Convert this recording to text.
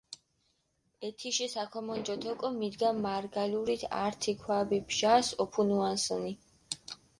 ეთიში საქომონჯოთ ოკო, მიდგა მარგალურით ართი ქვაბი ბჟას ოფუნუანსჷნი.